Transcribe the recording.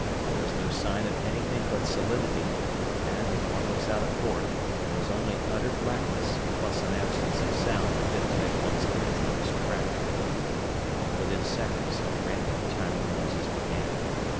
There is no sign of anything but solidity and, if one looks out a port, there is only utter blackness plus an absence of sound fit to make one's eardrums crack. But within seconds random tiny noises began.